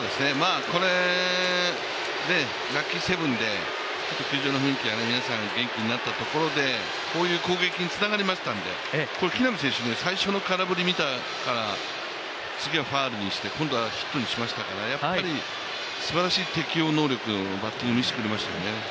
これ、ラッキーセブンで、球場の雰囲気が元気になったところでこういう攻撃につながりましたので、最初の空振り見た次はファウルにして今度はヒットにしましたから、やっぱりすばらしい適応能力バッティングを見せてくれましたよね。